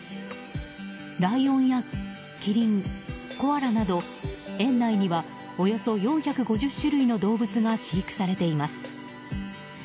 ライオンやキリン、コアラなど園内には、およそ４５０種類の動物が飼育されています。